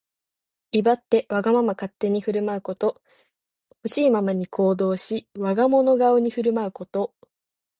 威張ってわがまま勝手に振る舞うこと。ほしいままに行動し、我が物顔に振る舞うこと。